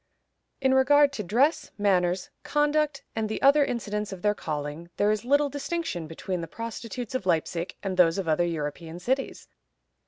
In regard to dress, manners, conduct, and the other incidents of their calling, there is little distinction between the prostitutes of Leipzig and those of other European cities.